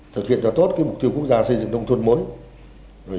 thực hiện cho tốt mục tiêu quốc gia xây dựng nông thôn mới